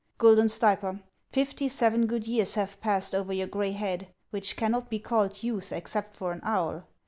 Guidon Stayper, fifty seven good years have passed over your gray head, which cannot be called youth except for an owl.